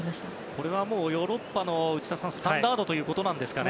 これはヨーロッパのスタンダードなんですかね？